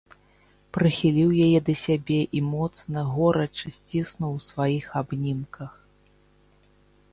Прыхіліў яе да сябе і моцна, горача сціснуў у сваіх абнімках.